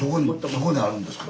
そこにあるんですか？